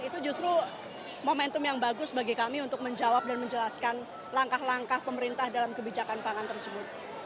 itu justru momentum yang bagus bagi kami untuk menjawab dan menjelaskan langkah langkah pemerintah dalam kebijakan pangan tersebut